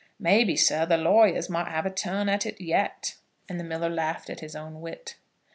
Maybe, sir, the lawyers might have a turn at it yet;" and the miller laughed at his own wit.